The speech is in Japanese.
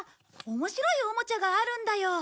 面白いおもちゃがあるんだよ。